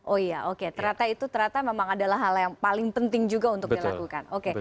oh iya oke ternyata itu ternyata memang adalah hal yang paling penting juga untuk dilakukan